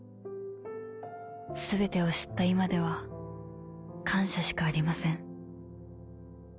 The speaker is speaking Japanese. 全てを知った今では感謝しかありません」。